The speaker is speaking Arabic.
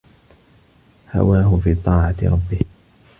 هَوَاهُ فِي طَاعَةِ رَبِّهِ